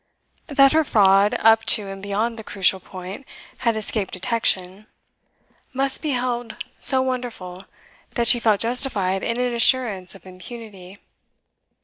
That her fraud, up to and beyond the crucial point, had escaped detection, must be held so wonderful, that she felt justified in an assurance of impunity.